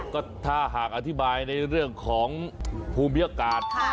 ก็ถ้าหากอธิบายในเรื่องของภูมิอากาศ